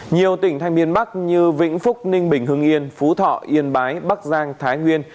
nhiều tỉnh thanh niên bắc như vĩnh phúc ninh bình hưng yên phú thọ yên bái bắc giang thái nguyên